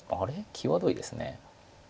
際どいです。